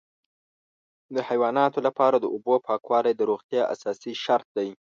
د حیواناتو لپاره د اوبو پاکوالی د روغتیا اساسي شرط دی.